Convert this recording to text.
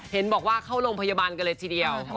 เห็นบอกว่าเข้าโรงพยาบาลกันเลยทีเดียว